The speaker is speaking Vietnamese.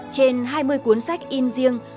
trên hai mươi cuốn sách in riêng